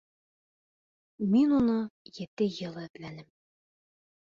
Мин уны ете йыл эҙләнем.